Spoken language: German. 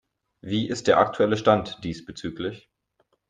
Wie ist der aktuelle Stand diesbezüglich?